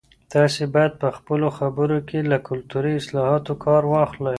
تاسي باید په خپلو خبرو کې له کلتوري اصطلاحاتو کار واخلئ.